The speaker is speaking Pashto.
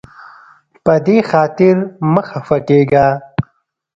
په دې خاطر مه خفه کیږه.